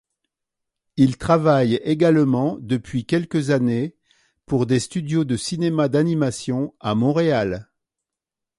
Il travaille également depuis quelques années pour des studios de cinéma d'animation à Montréal.